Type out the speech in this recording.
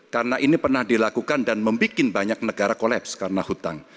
karena ini pernah dilakukan dan membuat banyak negara kolaps karena hutang